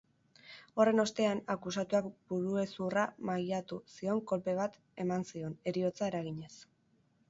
Horren ostean akusatuak buruhezurra mailatu zion kolpe bat eman zion, heriotza eraginez.